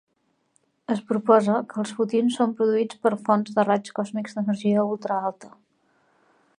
Es proposa que els fotins són produïts per fonts de raigs còsmics d'energia ultra alta.